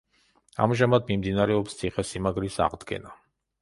ამჟამად მიმდინარეობს ციხესიმაგრის აღდგენა.